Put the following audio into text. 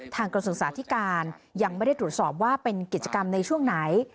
กระทรวงศึกษาธิการยังไม่ได้ตรวจสอบว่าเป็นกิจกรรมในช่วงไหน